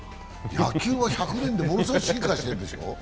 野球は１００年でものすごく進化してるでしょう。